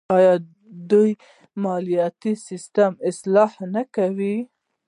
آیا دوی مالیاتي سیستم اصلاح نه کوي؟